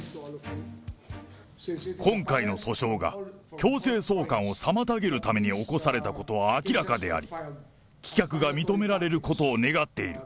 今回の訴訟が強制送還を妨げるために起こされたことは明らかであり、棄却が認められることを願っている。